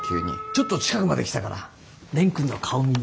ちょっと近くまで来たから蓮くんの顔見に。